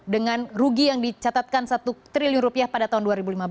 dengan rugi yang dicatatkan satu triliun rupiah pada tahun dua ribu lima belas